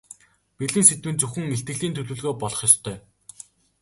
Бэлэн сэдэв нь зөвхөн илтгэлийн төлөвлөгөө болох ёстой.